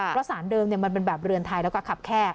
เพราะสารเดิมมันเป็นแบบเรือนไทยแล้วก็ขับแค่